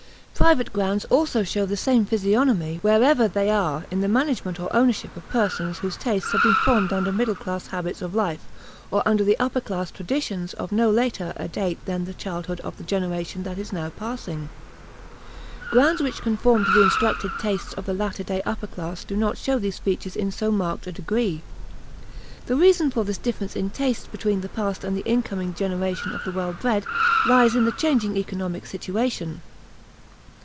Private grounds also show the same physiognomy wherever they are in the management or ownership of persons whose tastes have been formed under middle class habits of life or under the upper class traditions of no later a date than the childhood of the generation that is now passing. Grounds which conform to the instructed tastes of the latter day upper class do not show these features in so marked a degree. The reason for this difference in tastes between the past and the incoming generation of the well bred lies in the changing economic situation.